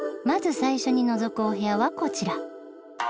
まず最初にのぞくお部屋はこちら。